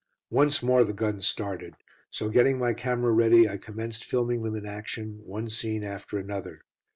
Once more the guns started, so getting my camera ready I commenced filming them in action, one scene after another.